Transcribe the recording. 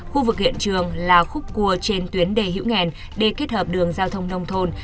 khu vực hiện trường là khúc cua trên tuyến đề hữu nghèn để kết hợp đường giao thông nông thôn